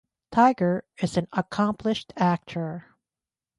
Tiger is an accomplished actor.